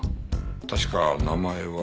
確か名前は。